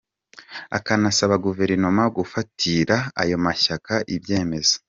akanasaba Guverinoma gufatira ayo mashyaka ibyemezo.